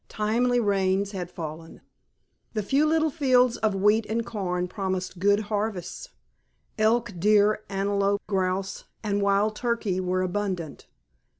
Timely rains had fallen. The few little fields of wheat and corn promised good harvests. Elk, deer, antelope, grouse, and wild turkey were abundant.